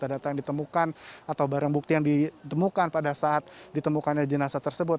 data data yang ditemukan atau barang bukti yang ditemukan pada saat ditemukannya jenazah tersebut